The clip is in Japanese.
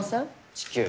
地球。